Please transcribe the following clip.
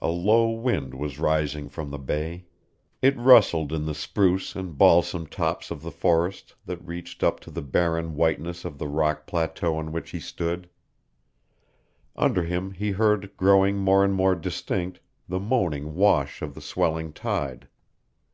A low wind was rising from the Bay; it rustled in the spruce and balsam tops of the forest that reached up to the barren whiteness of the rock plateau on which he stood; under him he heard, growing more and more distinct, the moaning wash of the swelling tide.